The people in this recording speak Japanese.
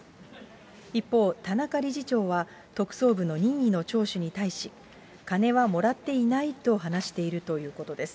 一方、田中理事長は、特捜部の任意の聴取に対し、金はもらっていないと話しているということです。